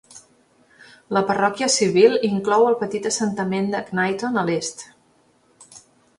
La parròquia civil inclou el petit assentament de Knighton a l'est.